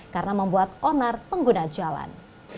karena membuat onar pengguna jalan